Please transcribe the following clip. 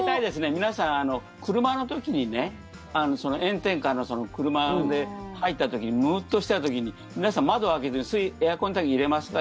皆さん、車の時にね炎天下の車で入った時にムーッとした時に皆さん、窓を開けずエアコンだけ入れますか？